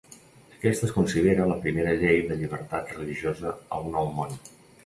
Aquesta es considera la primera llei de llibertat religiosa al Nou Món.